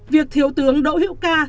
việc thiếu tướng đỗ hiệu ca